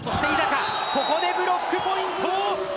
ここでブロックポイント。